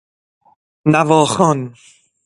نواخوان